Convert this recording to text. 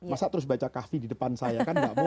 masa terus baca kahfi di depan saya